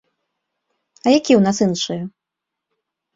А якія ў нас іншыя?